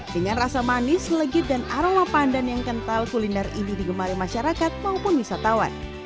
dengan rasa manis legit dan aroma pandan yang kental kuliner ini digemari masyarakat maupun wisatawan